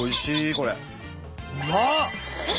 これ。